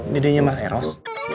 dedenya mah eros